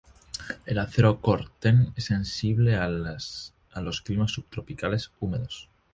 El Acero Cor-ten es sensible a los climas subtropicales húmedos.